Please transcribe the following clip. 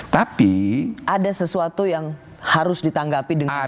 tapi ada sesuatu yang harus ditanggapi dengan baik